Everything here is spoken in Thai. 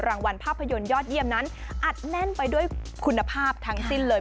รางวัลภาพยนตร์ยอดเยี่ยมนั้นอัดแน่นไปด้วยคุณภาพทั้งสิ้นเลย